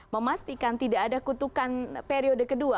memastikan tidak ada kutukan periode kedua